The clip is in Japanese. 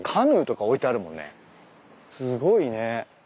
すごいね。